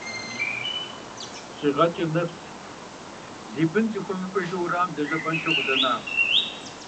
ЩӀегъэкӀыр нэпс зи бын зыхуэмыпӀыжу уэрамым лэжьапӀэншэу къыдэнам…